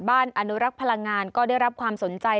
อนุรักษ์พลังงานก็ได้รับความสนใจ